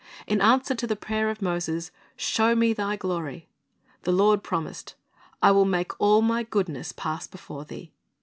In answer to the prayer of Moses, "Show me Thy glory," the Lord promised, "I will make all My goodness pass before thee."